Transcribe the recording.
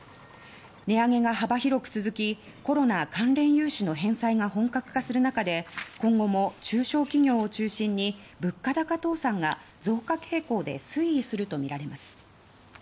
値上げが幅広く続きコロナ関連融資の返済が本格化する中で今後も中小企業を中心に物価高倒産が増加傾向で推移するとみられます。